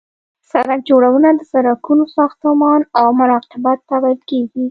سرک جوړونه د سرکونو ساختمان او مراقبت ته ویل کیږي